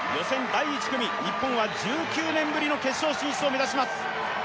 第１組日本は１９年ぶりの決勝進出を目指します